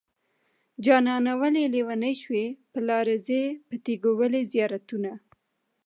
جانانه ولې لېونی شوې په لاره ځې په تيګو ولې زيارتونه